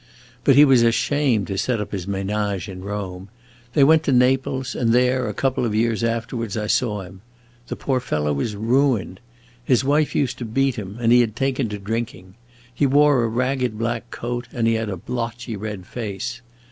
But he was ashamed to set up his menage in Rome. They went to Naples, and there, a couple of years afterwards, I saw him. The poor fellow was ruined. His wife used to beat him, and he had taken to drinking. He wore a ragged black coat, and he had a blotchy, red face.